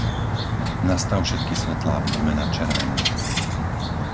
Nastav všetky svetlá v dome na červené.